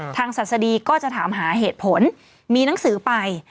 ศัษฎีก็จะถามหาเหตุผลมีหนังสือไป